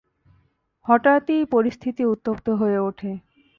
হঠাৎই পরিস্থিতি উত্তপ্ত হয়ে ওঠে।